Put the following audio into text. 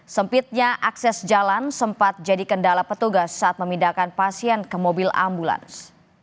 sempitnya akses jalan sempat jadi kendala petugas saat memindahkan pasien ke mobil ambulans